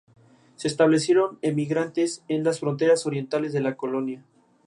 Se establecieron emigrantes en las fronteras orientales de la colonia